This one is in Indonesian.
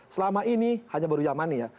selama ini hanya baru yamani ya